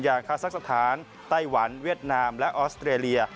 คาซักสถานไต้หวันเวียดนามและออสเตรเลีย